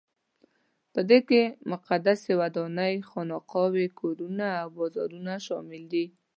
په دې کې مقدسې ودانۍ، خانقاوې، کورونه او بازارونه شامل دي.